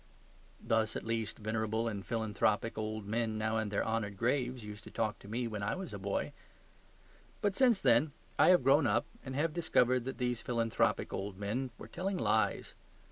Thus, at least, venerable and philanthropic old men now in their honoured graves used to talk to me when I was a boy. But since then I have grown up and have discovered that these philanthropic old men were telling lies.